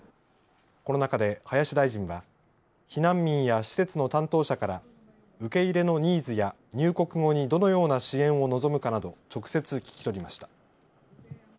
この中で林大臣は避難民や施設の担当者から受け入れのニーズや入国後にどのような支援を望むかなど直接聞き取りました。